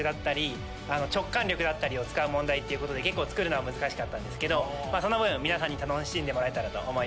問題考えて。っていうことで結構作るのは難しかったんですけどその分皆さんに楽しんでもらえたらと思います。